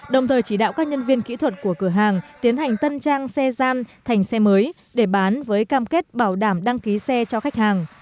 đồng thời chỉ đạo các nhân viên kỹ thuật của cửa hàng tiến hành tân trang xe gian thành xe mới để bán với cam kết bảo đảm đăng ký xe cho khách hàng